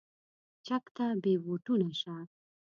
چک ته بې بوټونو شه.